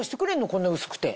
こんな薄くて。